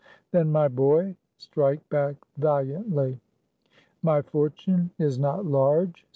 Then, my boy, strike back valiantly. My fortune is not large.